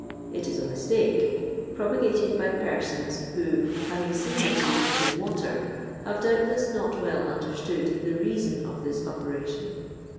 It is a mistake, propagated by persons who, having seen the tea put in water, have doubtless not well understood the reason of this operation.